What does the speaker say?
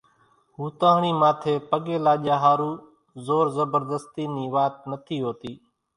ھوتاۿڻي ماٿي پڳين لاڄا ۿارُو زور زڀردتي نِي وات نٿي ھوتي